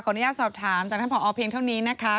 อนุญาตสอบถามจากท่านผอเพียงเท่านี้นะคะ